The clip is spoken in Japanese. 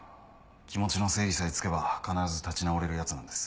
気持ちの整理さえつけば必ず立ち直れるヤツなんです。